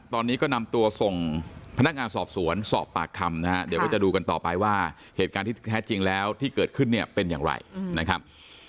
ตอนนี้ก็นำตัวส่งพนักงานสอบสวนสอบปากคำนะฮะเดี๋ยวก็จะดูกันต่อไปว่าเหตุการณ์ที่แท้จริงแล้วที่เกิดขึ้นเนี่ยเป็นอย่างไรนะครับ